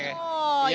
oh itu juga